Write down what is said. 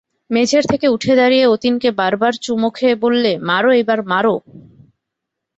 মেঝের থেকে উঠে দাঁড়িয়ে অতীনকে বার বার চুমো খেয়ে বললে, মারো এইবার মারো।